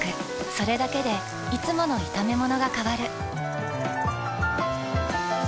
それだけでいつもの炒めものが変わる。